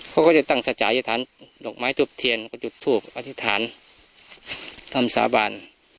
เขาก็จะตั้งสจ่ายอธิษฐานดอกไม้ทุบเทียนก็จุดทูปอธิษฐานคำสาบาน